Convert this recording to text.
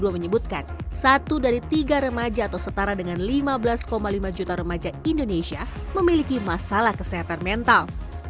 menyebutkan satu dari tiga remaja atau setara dengan lima belas lima juta remaja indonesia memiliki masalah kesehatan mental